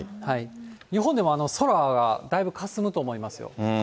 日本でも空がだいぶかすむと思いますよ。